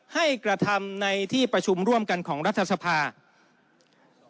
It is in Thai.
กระทำในที่ประชุมร่วมกันของรัฐสภา